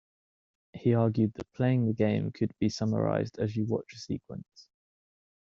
He argued that playing the game could be summarised as you watch a sequence.